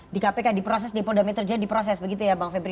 di kpk diproses di polda mitra jaya diproses begitu ya